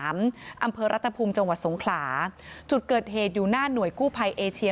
อำเภอรัฐภูมิจังหวัดสงขลาจุดเกิดเหตุอยู่หน้าหน่วยกู้ภัยเอเชีย